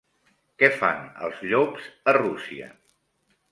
Què fan els llops a Rússia?